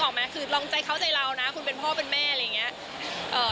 ออกไหมคือลองใจเข้าใจเรานะคุณเป็นพ่อเป็นแม่อะไรอย่างเงี้ยเอ่อ